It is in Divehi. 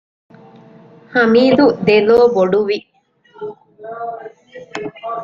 ހަމީދު ދެލޯބޮޑުވި